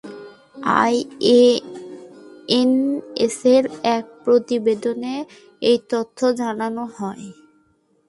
আইএএনএসের এক প্রতিবেদনে এ তথ্য জানানো হয়।